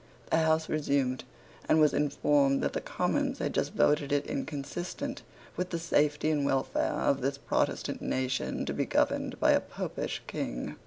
The House resumed and was informed that the Commons had just voted it inconsistent with the safety and welfare of this Protestant nation to be governed by a Popish King.